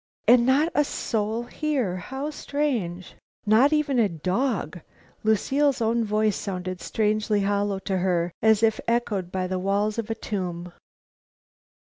"And not a soul here! How strange!" "Not even a dog!" Lucile's own voice sounded strangely hollow to her, as if echoed by the walls of a tomb.